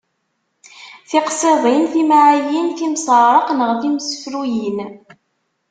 Tiqṣiḍin, timɛayin, timseɛraq neɣ timsefruyin.